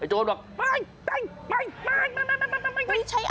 ไอ้โจรบอกไม่ไม่